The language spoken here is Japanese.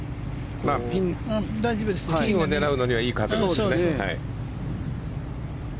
ピンを狙うのにはいい角度ですね。